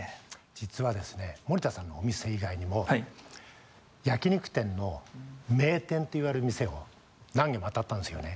実はですね森田さんのお店以外にも焼肉店の名店っていわれる店を何軒もあたったんですよね。